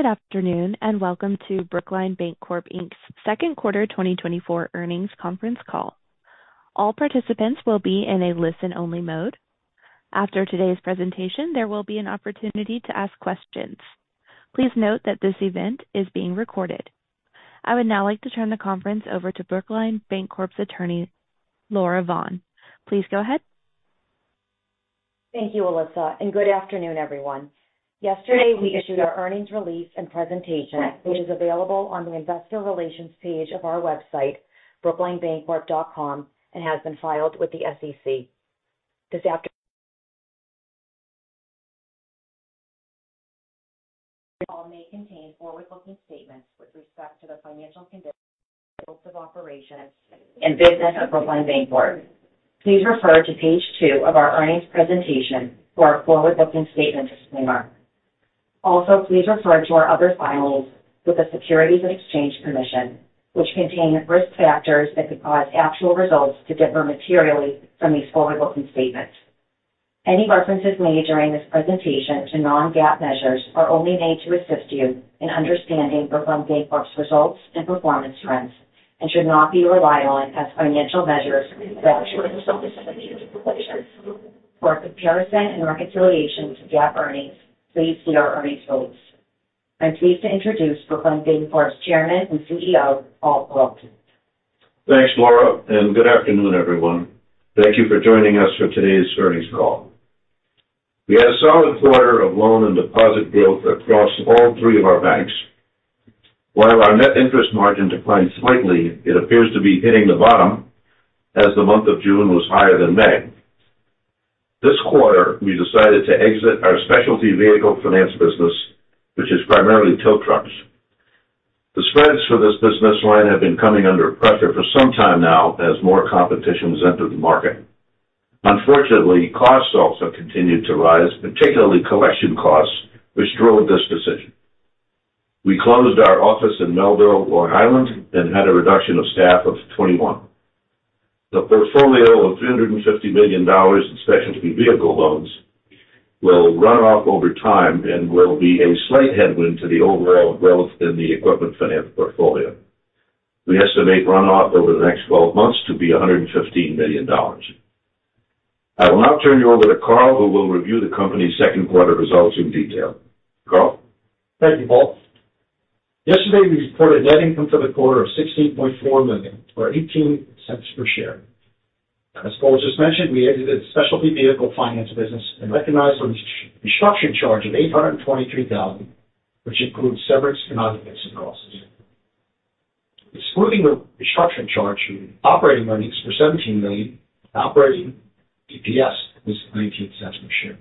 Good afternoon and welcome to Brookline Bancorp, Inc.'s second quarter 2024 earnings conference call. All participants will be in a listen-only mode. After today's presentation, there will be an opportunity to ask questions. Please note that this event is being recorded. I would now like to turn the conference over to Brookline Bancorp, Inc.'s attorney, Laura Vaughn. Please go ahead. Thank you, Alyssa, and good afternoon, everyone. Yesterday, we issued our earnings release and presentation, which is available on the investor relations page of our website, brooklinebancorp.com, and has been filed with the SEC. This afternoon's call may contain forward-looking statements with respect to the financial condition and results of operations and business of Brookline Bancorp. Please refer to page two of our earnings presentation for our forward-looking statement disclaimer. Also, please refer to our other filings with the Securities and Exchange Commission, which contain risk factors that could cause actual results to differ materially from these forward-looking statements. Any references made during this presentation to non-GAAP measures are only made to assist you in understanding Brookline Bancorp's results and performance trends and should not be relied on as financial measures for actual results and financial performance. For comparison and reconciliation to GAAP earnings, please see our earnings release. I'm pleased to introduce Brookline Bancorp's Chairman and CEO, Paul Perrault. Thanks, Laura, and good afternoon, everyone. Thank you for joining us for today's earnings call. We had a solid quarter of loan and deposit growth across all three of our banks. While our net interest margin declined slightly, it appears to be hitting the bottom as the month of June was higher than May. This quarter, we decided to exit our specialty vehicle finance business, which is primarily tow trucks. The spreads for this business line have been coming under pressure for some time now as more competition has entered the market. Unfortunately, costs also continued to rise, particularly collection costs, which drove this decision. We closed our office in Melville, Long Island, and had a reduction of staff of 21. The portfolio of $350 million in specialty vehicle loans will run off over time and will be a slight headwind to the overall growth in the equipment finance portfolio. We estimate runoff over the next 12 months to be $115 million. I will now turn you over to Carl, who will review the company's second quarter results in detail. Carl? Thank you, Paul. Yesterday, we reported net income for the quarter of $16.4 million, or $0.18 per share. As Paul just mentioned, we exited the specialty vehicle finance business and recognized the restructuring charge of $823,000, which includes severance and other lease losses. Excluding the restructuring charge, operating earnings were $17 million, and operating EPS was $0.19 per share.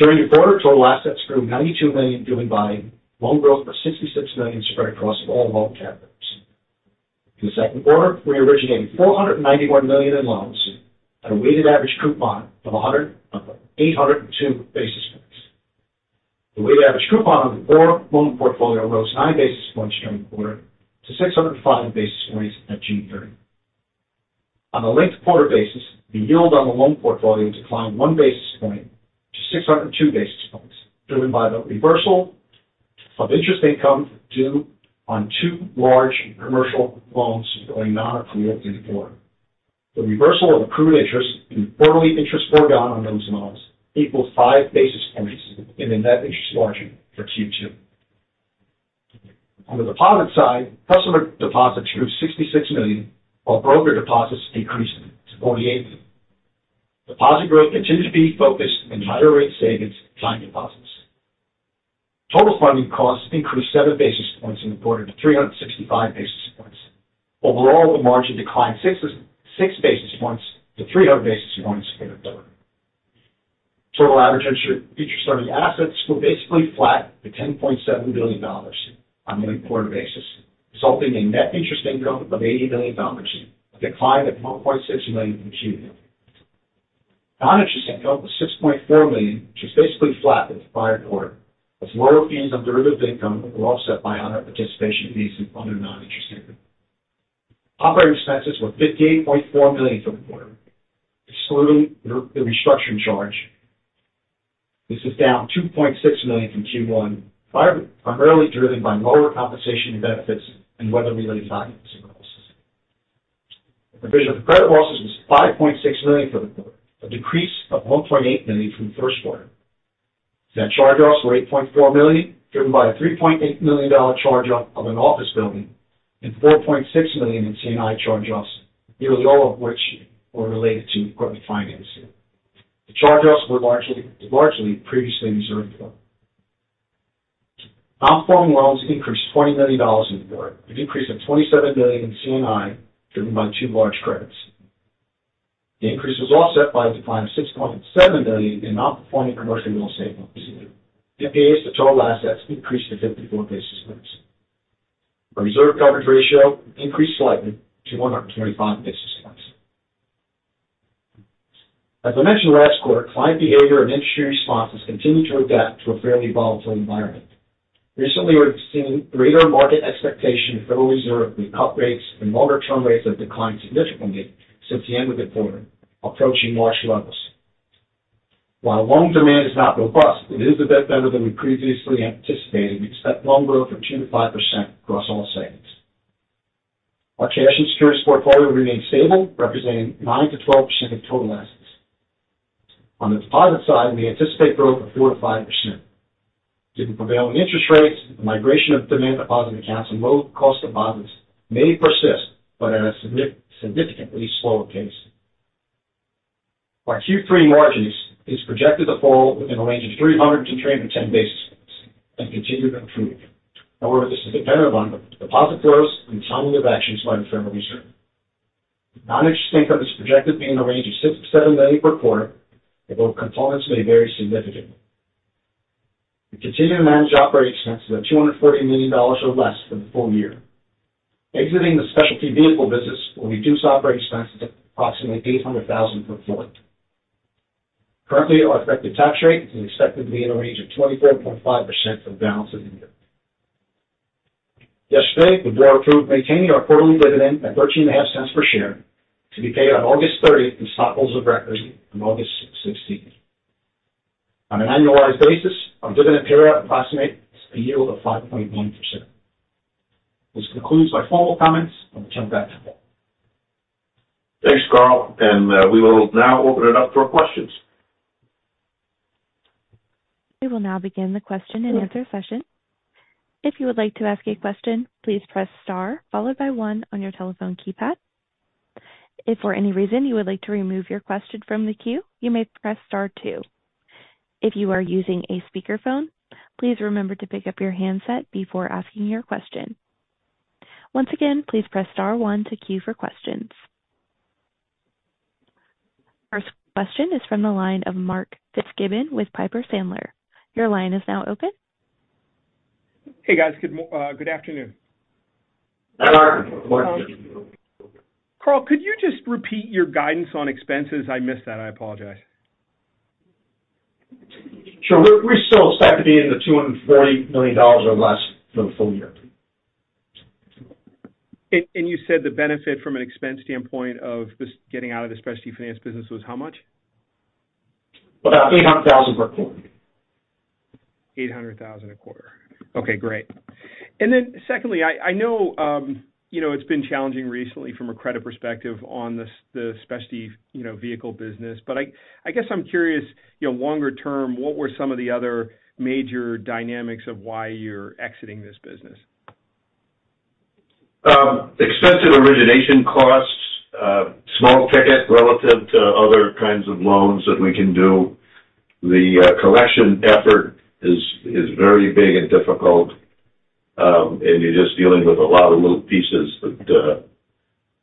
During the quarter, total assets grew $92 million, given by loan growth of $66 million spread across all loan categories. In the second quarter, we originated $491 million in loans at a weighted average coupon of 802 basis points. The weighted average coupon on the core loan portfolio rose 9 basis points during the quarter to 605 basis points at June 30. On a linked quarter basis, the yield on the loan portfolio declined one basis point to 602 basis points, driven by the reversal of interest income due on two large commercial loans going non-accrual in the quarter. The reversal of accrued interest and quarterly interest foregone on those loans equaled five basis points in the net interest margin for Q2. On the deposit side, customer deposits grew $66 million, while broker deposits increased to $48 million. Deposit growth continued to be focused in higher-rate savings and time deposits. Total funding costs increased seven basis points in the quarter to 365 basis points. Overall, the margin declined six basis points to 300 basis points in the quarter. Total average interest earning assets were basically flat at $10.7 billion on a linked quarter basis, resulting in net interest income of $80 million, a decline of $1.6 million from Q2. Non-interest income was $6.4 million, which was basically flat with the prior quarter, as lower fees on derivative income were offset by higher participation fees and other non-interest income. Operating expenses were $58.4 million for the quarter, excluding the restructuring charge. This is down $2.6 million from Q1, primarily driven by lower compensation and benefits and weather-related facilities cost. The provision for credit losses was $5.6 million for the quarter, a decrease of $1.8 million from the first quarter. Net charge-offs were $8.4 million, driven by a $3.8 million charge-off of an office building and $4.6 million in C&I charge-offs, nearly all of which were related to equipment financing. The charge-offs were largely previously reserved for. Non-performing loans increased $20 million in the quarter, an increase of $27 million in C&I, driven by two large credits. The increase was offset by a decline of $6.7 million in non-performing commercial real estate loans. NPAs to total assets increased to 54 basis points. Our reserve coverage ratio increased slightly to 125 basis points. As I mentioned last quarter, client behavior and industry responses continue to adapt to a fairly volatile environment. Recently, we've seen greater market expectation in the Federal Reserve will cut rates and longer-term rates have declined significantly since the end of the quarter, approaching March levels. While loan demand is not robust, it is a bit better than we previously anticipated, and we expect loan growth of 2%-5% across all segments. Our cash and securities portfolio remains stable, representing 9%-12% of total assets. On the deposit side, we anticipate growth of 4%-5%. Due to prevailing interest rates, the migration of demand deposit accounts and low-cost deposits may persist, but at a significantly slower pace. Our Q3 margins is projected to fall within a range of 300-310 basis points and continue to improve. However, this is dependent on deposit flows and timing of actions by the Federal Reserve. Non-interest income is projected to be in the range of $6 million-$7 million per quarter, although components may vary significantly. We continue to manage operating expenses at $240 million or less for the full year. Exiting the specialty vehicle business will reduce operating expenses by approximately $800,000 per quarter. Currently, our effective tax rate is expected to be in a rate of 24.5% for the balance of the year. Yesterday, the board approved maintaining our quarterly dividend at $0.135 per share to be paid on August 30 and stockholders of record on August 16. On an annualized basis, our dividend payout approximates a yield of 5.1%. This concludes my formal comments, and we'll turn it back to Paul. Thanks, Carl, and we will now open it up for questions. We will now begin the question and answer session. If you would like to ask a question, please press star followed by one on your telephone keypad. If for any reason you would like to remove your question from the queue, you may press star two. If you are using a speakerphone, please remember to pick up your handset before asking your question. Once again, please press star one to queue for questions. First question is from the line of Mark Fitzgibbon with Piper Sandler. Your line is now open. Hey, guys. Good afternoon. Hi, Mark. Carl, could you just repeat your guidance on expenses? I missed that. I apologize. Sure. We're still expected to be in the $240 million or less for the full year. You said the benefit from an expense standpoint of getting out of the specialty finance business was how much? About $800,000 per quarter. $800,000 a quarter. Okay, great. And then secondly, I know it's been challenging recently from a credit perspective on the specialty vehicle business, but I guess I'm curious, longer term, what were some of the other major dynamics of why you're exiting this business? Expensive origination costs, small ticket relative to other kinds of loans that we can do. The collection effort is very big and difficult, and you're just dealing with a lot of little pieces that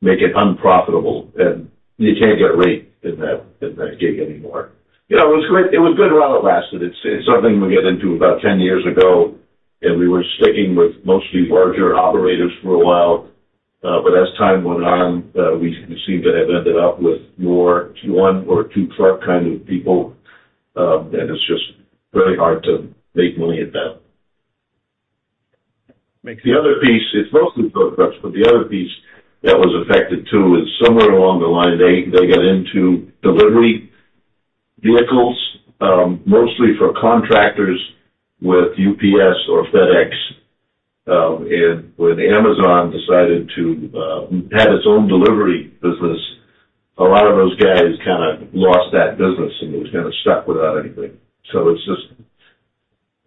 make it unprofitable, and you can't get a rate in that gig anymore. It was good while it lasted. It's something we got into about 10 years ago, and we were sticking with mostly larger operators for a while, but as time went on, we seem to have ended up with more one or two truck kind of people, and it's just really hard to make money at that. Makes sense. The other piece, it's mostly tow trucks, but the other piece that was affected too is somewhere along the line, they got into delivery vehicles, mostly for contractors with UPS or FedEx. And when Amazon decided to have its own delivery business, a lot of those guys kind of lost that business, and it was kind of stuck without anything. So it's just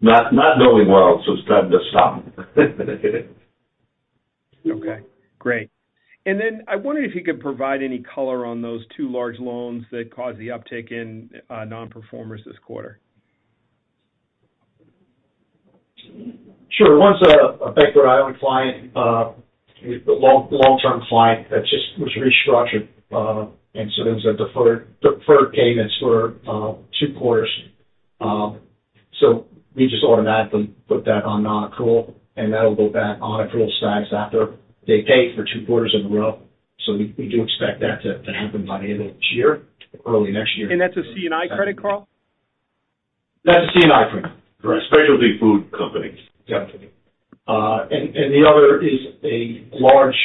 not going well, so it's time to stop. Okay. Great. And then I wondered if you could provide any color on those two large loans that caused the uptick in non-performers this quarter? Sure. Once a Bank Rhode Island client, a long-term client that just was restructured, and so there was deferred payments for 2 quarters. So we just automatically put that on non-accrual, and that'll go back on accrual status after they pay for 2 quarters in a row. So we do expect that to happen by the end of this year, early next year. And that's a C&I credit, Carl? That's a C&I credit. Specialty food companies. Yeah. The other is a large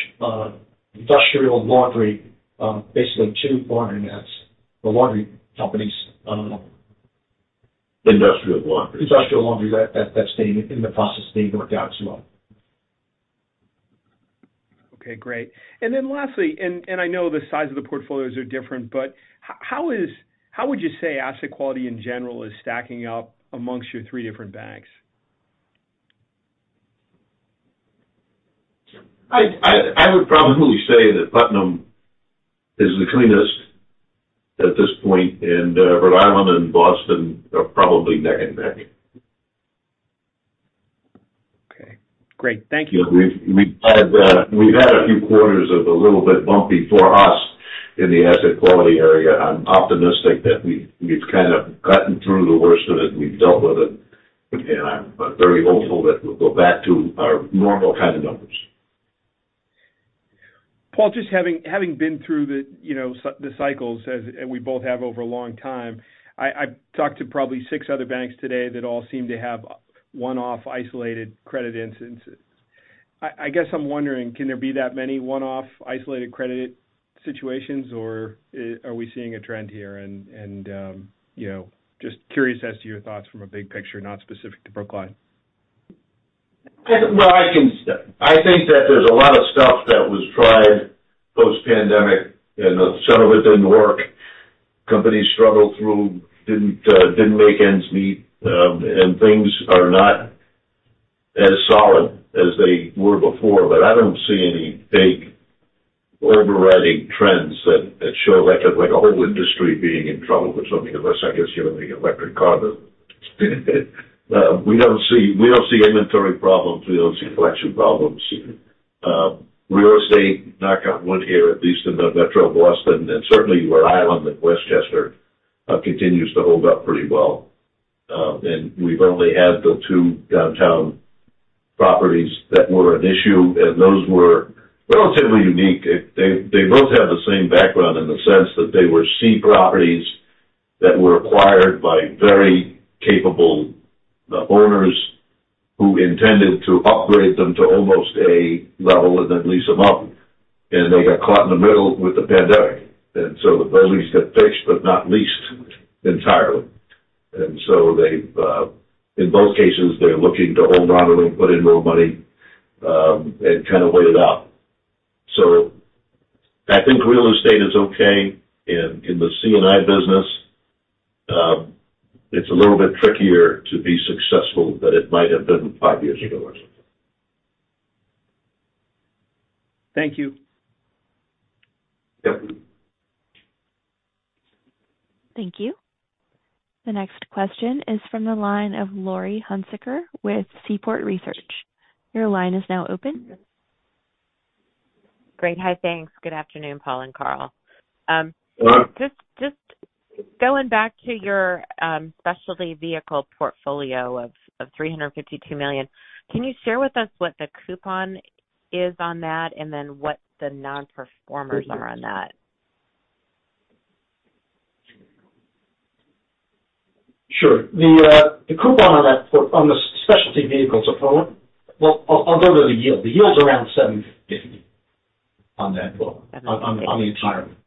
industrial laundry, basically two laundromats, the laundry companies. Industrial laundry. Industrial laundry that's being in the process being worked out as well. Okay. Great. And then lastly, and I know the size of the portfolios are different, but how would you say asset quality in general is stacking up among your three different banks? I would probably say that Putnam is the cleanest at this point, and Rhode Island and Boston are probably neck and neck. Okay. Great. Thank you. We've had a few quarters that are a little bit bumpy for us in the asset quality area. I'm optimistic that we've kind of gotten through the worst of it, and we've dealt with it, and I'm very hopeful that we'll go back to our normal kind of numbers. Paul, just having been through the cycles, as we both have over a long time, I've talked to probably six other banks today that all seem to have one-off isolated credit incidents. I guess I'm wondering, can there be that many one-off isolated credit situations, or are we seeing a trend here? Just curious as to your thoughts from a big picture, not specific to Brookline. Well, I think that there's a lot of stuff that was tried post-pandemic, and some of it didn't work. Companies struggled through, didn't make ends meet, and things are not as solid as they were before. But I don't see any big overriding trends that show like a whole industry being in trouble or something, unless I guess you have any electric cars. We don't see inventory problems. We don't see collection problems. Real estate, knock on wood here, at least in the metro of Boston, and certainly Rhode Island and Westchester continues to hold up pretty well. And we've only had the two downtown properties that were an issue, and those were relatively unique. They both have the same background in the sense that they were C properties that were acquired by very capable owners who intended to upgrade them to almost A level in at least a month, and they got caught in the middle with the pandemic. The buildings got fixed, but not leased entirely. In both cases, they're looking to hold on and put in more money and kind of wait it out. I think real estate is okay. In the C&I business, it's a little bit trickier to be successful than it might have been five years ago or something. Thank you. Yep. Thank you. The next question is from the line of Laurie Hunsicker with Seaport Research. Your line is now open. Great. Hi, thanks. Good afternoon, Paul and Carl. Just going back to your specialty vehicle portfolio of $352 million, can you share with us what the coupon is on that and then what the non-performers are on that? Sure. The coupon on the specialty vehicles, I'll go to the yield. The yield's around 750 on the entire. Perfect.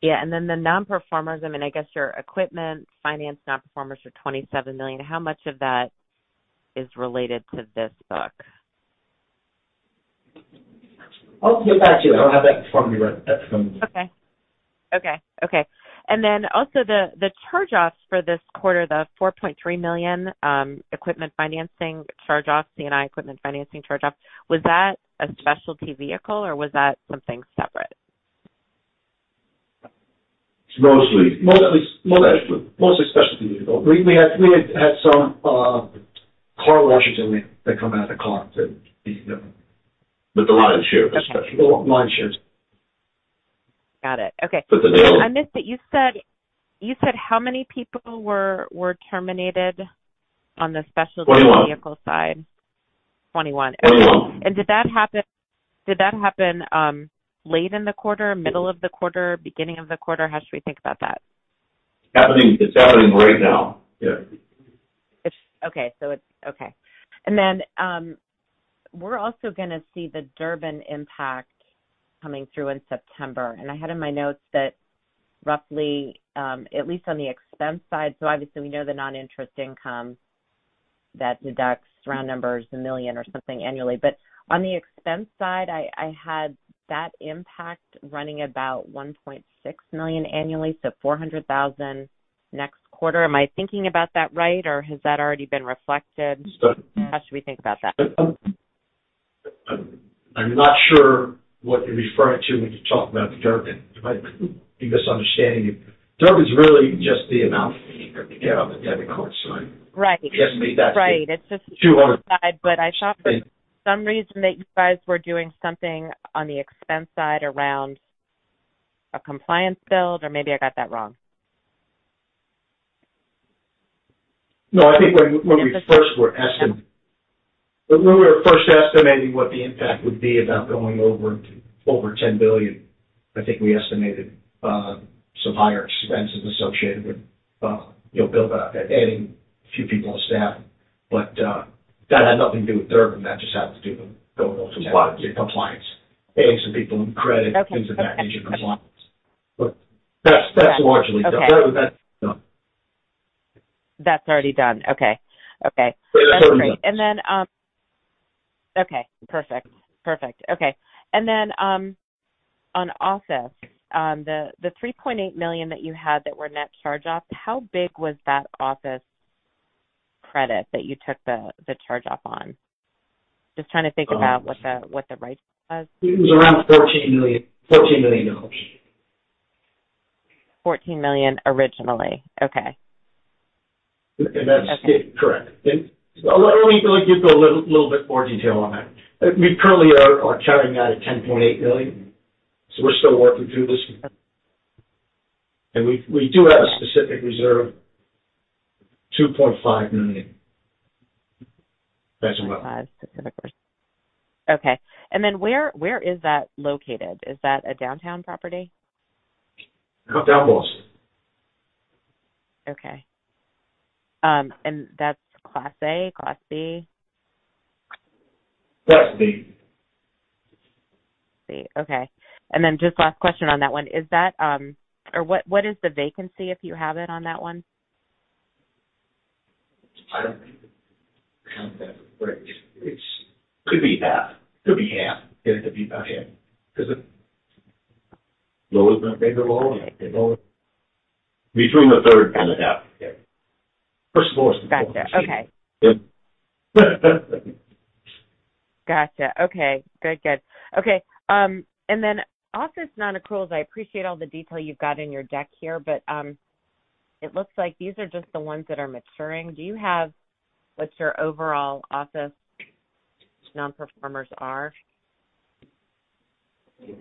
Yeah. And then the non-performers, I mean, I guess your equipment finance non-performers are $27 million. How much of that is related to this book? I'll get back to you. I don't have that in front of me right now. Okay. Okay. Okay. And then also the charge-offs for this quarter, the $4.3 million equipment financing charge-off, C&I equipment financing charge-off, was that a specialty vehicle or was that something separate? Mostly. Mostly specialty vehicle. We had some car washes that come out of the car. But the lion's share was special. The lion's share. Got it. Okay. So I missed it. You said how many people were terminated on the specialty vehicle side? 21. Okay. Did that happen late in the quarter, middle of the quarter, beginning of the quarter? How should we think about that? It's happening right now. Yeah. Okay. Okay. And then we're also going to see the Durbin impact coming through in September. And I had in my notes that roughly, at least on the expense side, so obviously we know the non-interest income that deducts $1 million or something annually. But on the expense side, I had that impact running about $1.6 million annually, so $400,000 next quarter. Am I thinking about that right, or has that already been reflected? It's done. How should we think about that? I'm not sure what you're referring to when you talk about the Durbin. You might be misunderstanding it. Durbin's really just the amount that you get on the debit card side. Right. It's just me that's. Right. It's just. $200. Side, but I thought for some reason that you guys were doing something on the expense side around a compliance build, or maybe I got that wrong. No, I think when we first were estimating. When we were first estimating what the impact would be about going over $10 billion, I think we estimated some higher expenses associated with adding a few people on staff. But that had nothing to do with Durbin. That just had to do with going over to compliance, adding some people on credit, things of that nature, compliance. But that's largely done. That's already done. Okay. Okay. That's already done. Okay. Okay. Perfect. Perfect. Okay. And then on office, the $3.8 million that you had that were net charge-off, how big was that office credit that you took the charge-off on? Just trying to think about what the write-off was. It was around $14 million. $14 million. $14 million originally. Okay. That's correct. Let me go a little bit more detail on that. We currently are carrying it at $10.8 million. We're still working through this. We do have a specific reserve, $2.5 million. $2.5 specific reserve. Okay. And then where is that located? Is that a downtown property? Not down Boston. Okay. And that's Class A, Class B? Class B. Class B. Okay. And then just last question on that one. Is that or what is the vacancy, if you have it, on that one? I don't have a great it could be half. Could be half. It'd have to be about half because the lowest number you can get between the third and a half. First of all, it's the quarters. Gotcha. Okay. Gotcha. Okay. Good, good. Okay. And then office non-accruals, I appreciate all the detail you've got in your deck here, but it looks like these are just the ones that are maturing. Do you have what your overall office non-performers are? We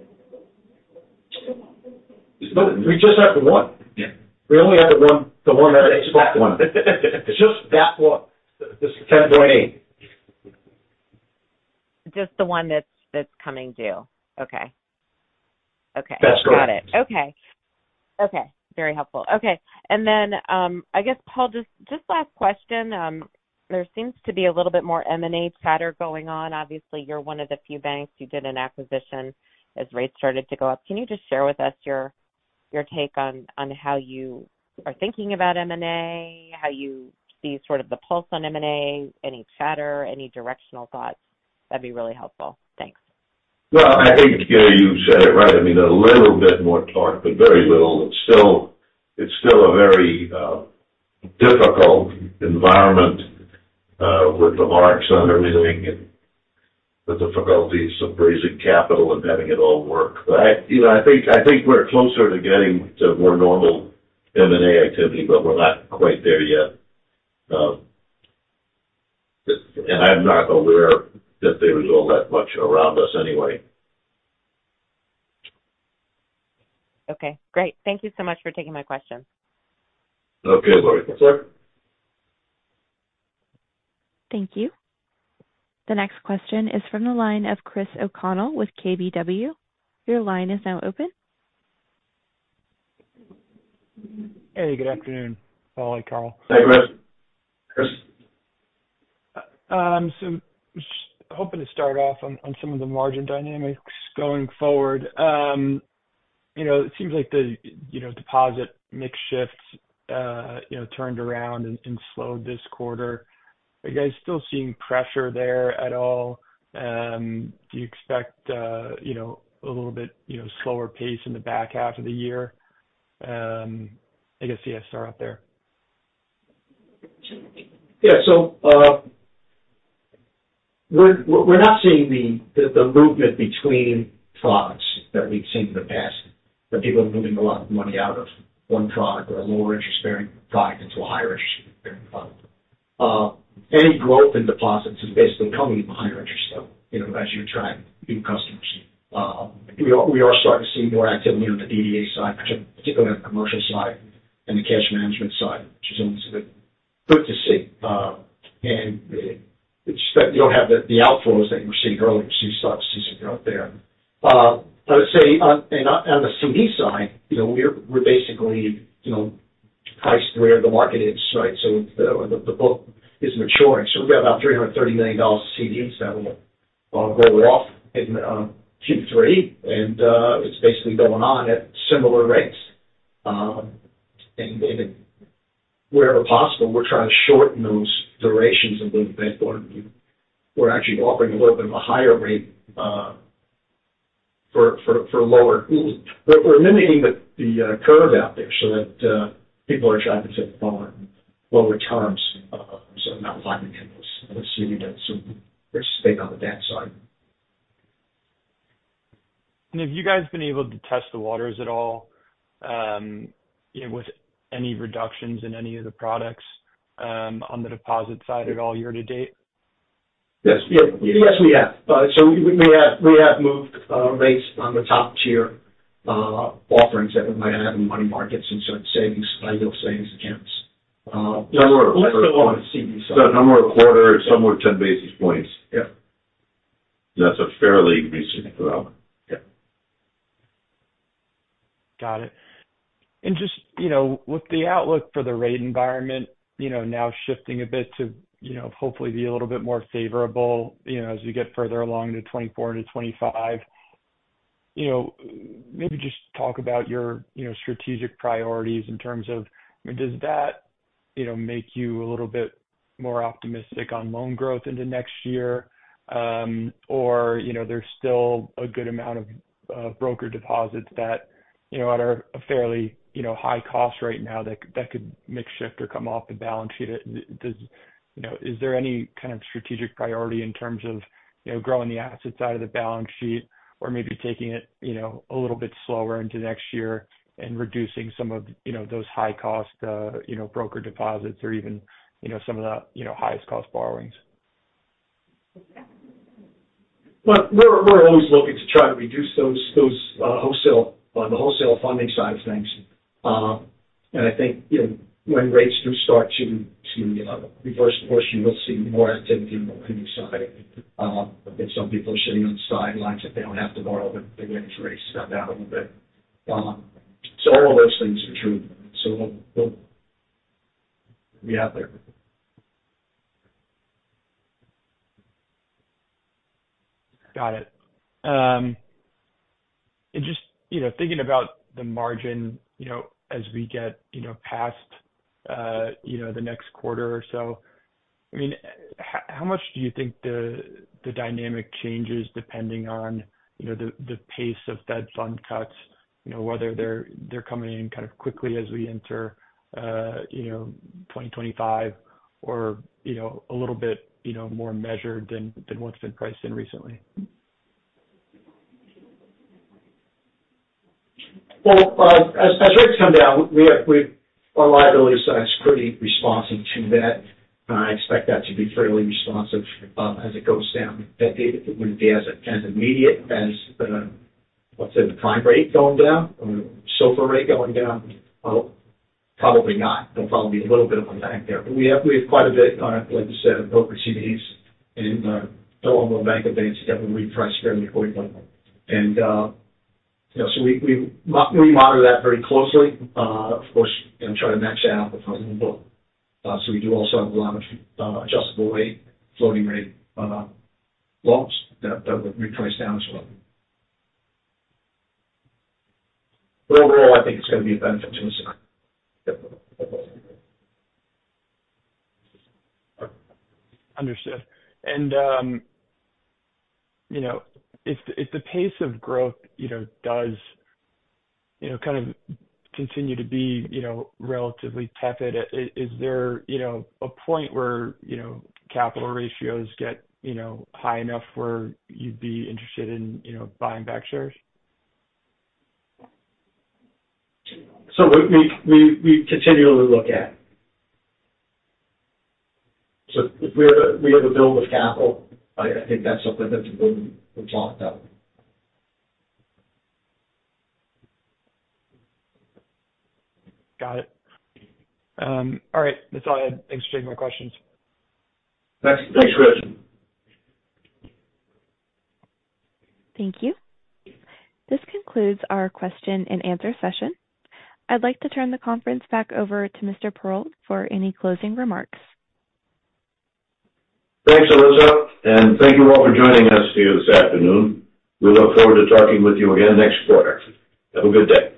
just have the one. We only have the one that's expected. Just that one. It's just that one. It's $10.8. Just the one that's coming due. Okay. Okay. That's correct. Got it. Okay. Okay. Very helpful. Okay. And then I guess, Paul, just last question. There seems to be a little bit more M&A chatter going on. Obviously, you're one of the few banks who did an acquisition as rates started to go up. Can you just share with us your take on how you are thinking about M&A, how you see sort of the pulse on M&A, any chatter, any directional thoughts? That'd be really helpful. Thanks. Well, I think you said it right. I mean, a little bit more talk, but very little. It's still a very difficult environment with the marks on everything and the difficulties of raising capital and having it all work. But I think we're closer to getting to more normal M&A activity, but we're not quite there yet. And I'm not aware that there is all that much around us anyway. Okay. Great. Thank you so much for taking my questions. Okay. Lori, that's all right. Thank you. The next question is from the line of Chris O'Connell with KBW. Your line is now open. Hey. Good afternoon. Paul and Carl. Hey, Chris. Chris. So hoping to start off on some of the margin dynamics going forward. It seems like the deposit mix shifts turned around and slowed this quarter. Are you guys still seeing pressure there at all? Do you expect a little bit slower pace in the back half of the year? I guess SOFR out there. Yeah. So we're not seeing the movement between products that we've seen in the past, that people are moving a lot of money out of one product or a lower interest-bearing product into a higher interest-bearing product. Any growth in deposits is basically coming from higher interest as you attract new customers. We are starting to see more activity on the DDA side, particularly on the commercial side and the cash management side, which is always good to see. And you don't have the outflows that you were seeing earlier. You start to see some growth there. I would say on the CD side, we're basically priced where the market is, right? So the book is maturing. So we've got about $330 million CDs that will roll off in Q3, and it's basically going on at similar rates. And wherever possible, we're trying to shorten those durations a little bit. We're actually offering a little bit of a higher rate for lower. We're limiting the curve out there so that people are attracted to lower terms. So, not buying in those CDs that stay on the downside. Have you guys been able to test the waters at all with any reductions in any of the products on the deposit side at all year to date? Yes. Yes, we have. So we have moved rates on the top-tier offerings that we might have in money markets and certain savings, annual savings accounts. Number of quarter CDs. Number of quarters, somewhere 10 basis points. Yeah. That's a fairly recent development. Yeah. Got it. And just with the outlook for the rate environment now shifting a bit to hopefully be a little bit more favorable as we get further along into 2024 into 2025, maybe just talk about your strategic priorities in terms of, I mean, does that make you a little bit more optimistic on loan growth into next year? Or there's still a good amount of broker deposits that are at a fairly high cost right now that could mix shift or come off the balance sheet. Is there any kind of strategic priority in terms of growing the assets out of the balance sheet or maybe taking it a little bit slower into next year and reducing some of those high-cost broker deposits or even some of the highest-cost borrowings? Well, we're always looking to try to reduce those on the wholesale funding side of things. And I think when rates do start to reverse the portion, you'll see more activity on the money side. I think some people are sitting on the sidelines that they don't have to borrow, but they're getting their rates cut down a little bit. So all of those things are true. So we'll be out there. Got it. And just thinking about the margin as we get past the next quarter or so, I mean, how much do you think the dynamic changes depending on the pace of Fed fund cuts, whether they're coming in kind of quickly as we enter 2025 or a little bit more measured than what's been priced in recently? Well, as rates come down, our liability side is pretty responsive to that. I expect that to be fairly responsive as it goes down. It wouldn't be as immediate as, let's say, the prime rate going down or the SOFR rate going down. Probably not. There'll probably be a little bit of a lag there. But we have quite a bit, like I said, of broker CDs and the Home Loan Bank advance that we reprice fairly quickly. And so we monitor that very closely. Of course, try to match that out with our own book. So we do also have a lot of adjustable rate, floating rate loans that we reprice down as well. But overall, I think it's going to be a benefit to us. Understood. If the pace of growth does kind of continue to be relatively tepid, is there a point where capital ratios get high enough where you'd be interested in buying back shares? We continually look at it. If we have a build of capital, I think that's something that's important to talk about. Got it. All right. That's all I had. Thanks for taking my questions. Thanks, Chris. Thank you. This concludes our question-and-answer session. I'd like to turn the conference back over to Mr. Perrault for any closing remarks. Thanks, Alyssa. Thank you all for joining us here this afternoon. We look forward to talking with you again next quarter. Have a good day.